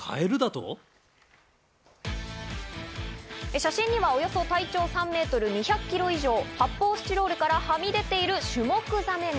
写真には、およそ体長３ｍ２００ｋｇ以上発泡スチロールからはみ出ているシュモクザメが。